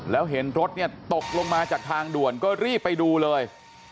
แล้วเห็นรถเนี่ยตกลงมาจากทางด่วนก็รีบไปดูเลย